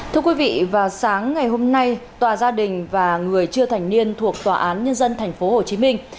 thưa quý vị vào sáng ngày hôm nay tòa gia đình và người chưa thành niên thuộc tòa án nhân dân thành phố hồ chí minh